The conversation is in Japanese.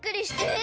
え！